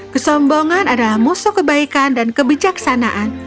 kesombongan adalah musuh kebaikan dan kebijaksanaan